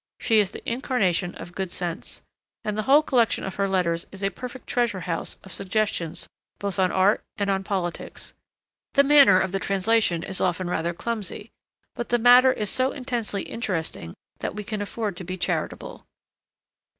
She is the incarnation of good sense. And the whole collection of her letters is a perfect treasure house of suggestions both on art and on politics. The manner of the translation is often rather clumsy, but the matter is always so intensely interesting that we can afford to be charitable.